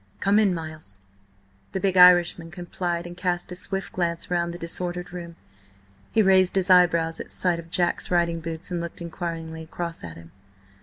"Come in, Miles!" The big Irishman complied and cast a swift glance round the disordered room. He raised his eyebrows at sight of Jack's riding boots and looked inquiringly across at him.